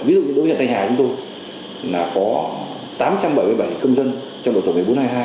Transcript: ví dụ như ở huyện thanh hải chúng tôi là có tám trăm bảy mươi bảy công dân trong đội tổng một nghìn bốn trăm hai mươi hai